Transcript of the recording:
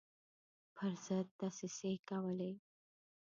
پر ضد دسیسې کولې.